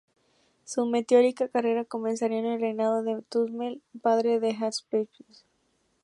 Su meteórica carrera comenzaría en el reinado de Thutmose I, el padre de Hatshepsut.